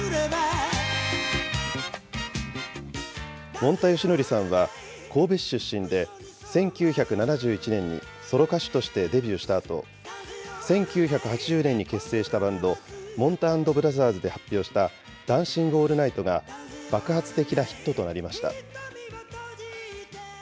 もんたよしのりさんは、神戸市出身で、１９７１年にソロ歌手としてデビューしたあと、１９８０年に結成したバンド、もんた＆ブラザーズで発表したダンシング・オールナイトが爆発的なヒットとなりました。